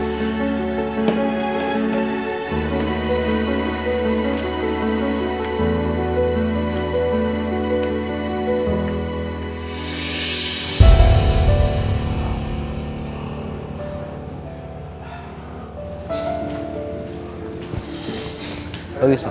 selalu disini sayang